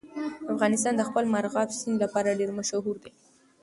افغانستان د خپل مورغاب سیند لپاره ډېر مشهور دی.